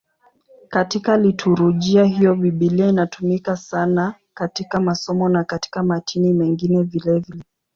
Katika liturujia hiyo Biblia inatumika sana katika masomo na katika matini mengine vilevile.